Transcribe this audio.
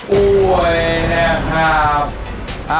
ป่วยนะครับ